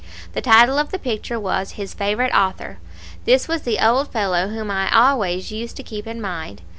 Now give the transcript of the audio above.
The title of the picture was "His Favorite Author." This was the old fellow whom I always used to keep in mind.